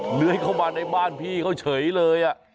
เหลือให้เข้ามาในบ้านพี่เขาเฉยเลย